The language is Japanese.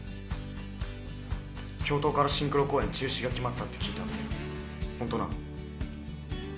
教頭からシンクロ公演中止が決まったって聞いたんだけどホントなの？